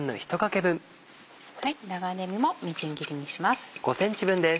長ねぎもみじん切りにします。